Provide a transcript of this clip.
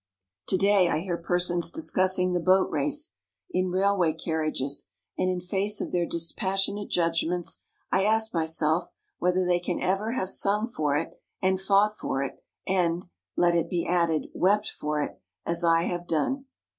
To day I hear persons discussing the Boat Race in railway carriages, and in face of their dispassionate judgments I ask myself whether they can ever have sung for it and fought for it, and, let it be added, wept for it, as I have done.